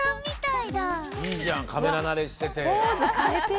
いいじゃんカメラなれしてて。